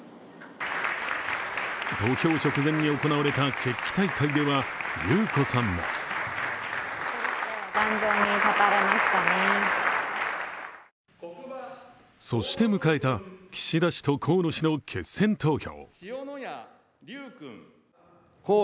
投票直前に行われた決起大会では裕子さんもそして迎えた岸田氏と河野氏の決選投票。